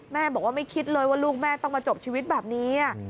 แม่บอกว่าไม่คิดเลยว่าลูกแม่ต้องมาจบชีวิตแบบนี้